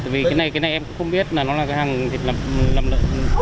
vì cái này em cũng không biết là nó là hàng thịt nầm lợn